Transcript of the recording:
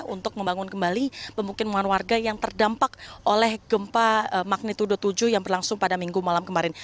untuk membangun kembali pemukiman warga yang terdampak oleh gempa magnitudo tujuh yang berlangsung pada minggu malam kemarin